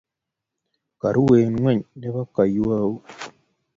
koruen ngweny nebo kaiywou